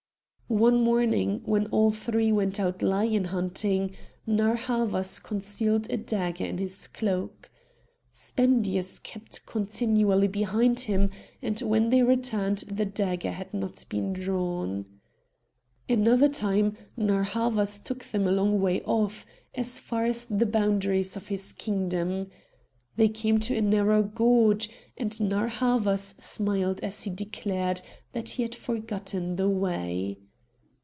One morning when all three went out lion hunting, Narr' Havas concealed a dagger in his cloak. Spendius kept continually behind him, and when they returned the dagger had not been drawn. Another time Narr' Havas took them a long way off, as far as the boundaries of his kingdom. They came to a narrow gorge, and Narr' Havas smiled as he declared that he had forgotten the way.